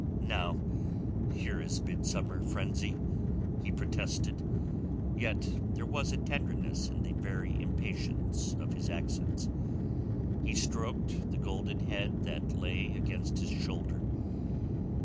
"Now here is midsummer frenzy!" he protested, yet there was a tenderness in the very impatience of his accents. He stroked the golden head that lay against his shoulder.